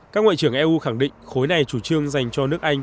các ngoại trưởng eu khẳng định khối này chủ trương dành cho nước anh